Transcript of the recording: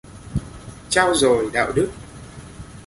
Trao dồi đạo đức